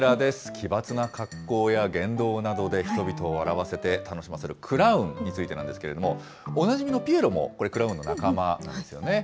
奇抜な格好や言動などで人々を笑わせて楽しませるクラウンについてなんですけれども、おなじみのピエロもこれ、クラウンの仲間なんですね。